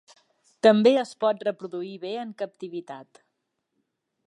També es pot reproduir bé en captivitat.